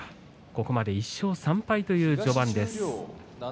ここまで１勝３敗という序盤です。